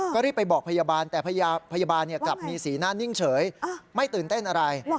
ก็รีบไปบอกพยาบาลแต่พยาบาลกลับมีสีหน้านิ่งเฉยไม่ตื่นเต้นอะไร